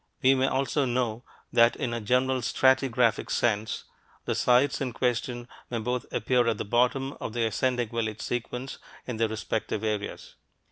We may also know that in a general stratigraphic sense, the sites in question may both appear at the bottom of the ascending village sequence in their respective areas.